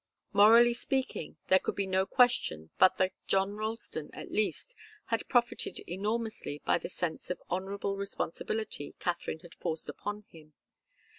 Morally speaking, there could be no question but that John Ralston, at least, had profited enormously by the sense of honourable responsibility Katharine had forced upon him.